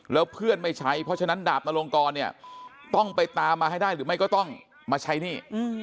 แล้วเพื่อนไม่ใช้เพราะฉะนั้นดาบนลงกรเนี่ยต้องไปตามมาให้ได้หรือไม่ก็ต้องมาใช้หนี้